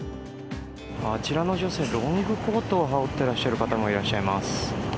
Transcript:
あちらの女性、ロングコートを羽織っていらっしゃる女性がいらっしゃいます。